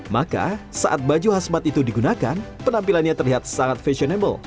maka saat baju khas mat itu digunakan penampilannya terlihat sangat fashionable